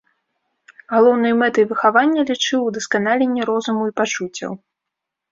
Галоўнай мэтай выхавання лічыў ўдасканаленне розуму і пачуццяў.